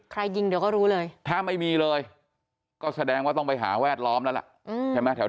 ยิงเดี๋ยวก็รู้เลยถ้าไม่มีเลยก็แสดงว่าต้องไปหาแวดล้อมแล้วล่ะใช่ไหม